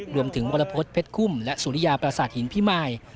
วรพฤษเพชรคุ้มและสุริยาประสาทหินพิมาย